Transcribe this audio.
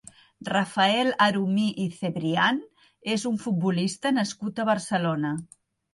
Rafael Arumí i Cebrian és un futbolista nascut a Barcelona.